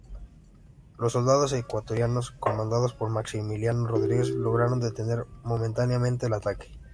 Los soldados ecuatorianos, comandados por Maximiliano Rodriguez, lograron detener momentáneamente el ataque.